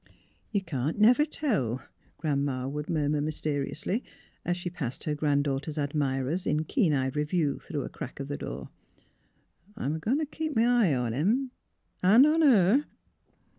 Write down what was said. " You can't never tell," Grandma would mur mur mysteriously, as she passed her grand daugh ter's admirers in keen eyed review through a crack of the door. "I'm a goin' t' keep m' eye on 'em — an' on her!